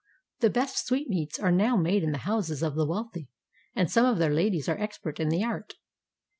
The best sweetmeats are now made in the houses of the wealthy, and some of their ladies are expert in the art.